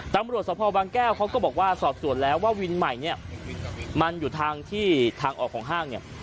ตำรวจสภบางแก้วเขาก็บอกว่าสอบส่วนแล้วว่าวินใหม่เนี่ยมันอยู่ทางที่ทางออกของห้างเนี่ย